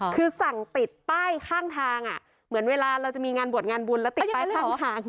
คือสั่งติดป้ายข้างทางเหมือนเวลาเราจะมีงานบวชงานบุญแล้วติดป้ายข้างทาง